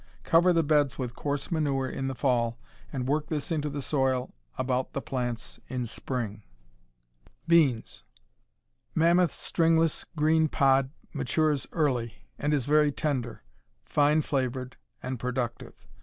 Cover the beds with coarse manure in the fall, and work this into the soil about the plants in spring. Beans Mammoth Stringless Green Pod matures early, and is very tender, fine flavored, and productive.